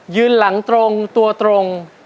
หลังตรงตัวตรง